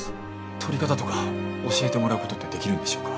撮り方とか教えてもらう事ってできるんでしょうか？